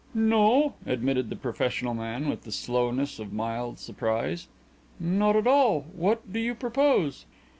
"No," admitted the professional man, with the slowness of mild surprise. "Not at all. What do you propose?"